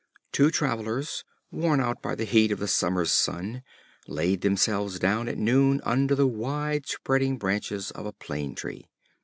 Two Travelers, worn out by the heat of the summer's sun, laid themselves down at noon under the wide spreading branches of a Plane tree.